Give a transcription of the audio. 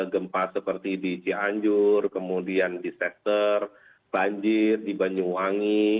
gempa seperti di cianjur kemudian di sester banjir di banyuwangi